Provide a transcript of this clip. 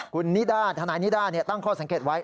คุณนิด้าทนายนิด้าตั้งข้อสังเกตไว้